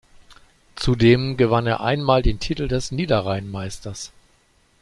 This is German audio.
Zudem gewann er einmal den Titel des Niederrhein-Meisters.